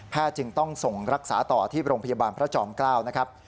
จึงต้องส่งรักษาต่อที่โรงพยาบาลพระจอมเกล้านะครับ